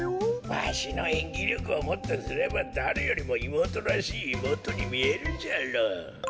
わしのえんぎりょくをもってすればだれよりもいもうとらしいいもうとにみえるじゃろう。